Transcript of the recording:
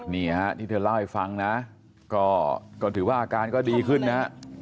นี่ฮะที่เธอเล่าให้ฟังนะก็ถือว่าอาการก็ดีขึ้นนะฮะ